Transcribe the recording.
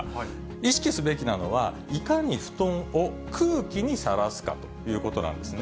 意識すべきなのは、いかに布団を空気にさらすかということなんですね。